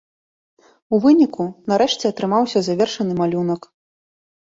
У выніку, нарэшце атрымаўся завершаны малюнак.